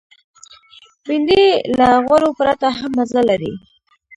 بېنډۍ له غوړو پرته هم مزه لري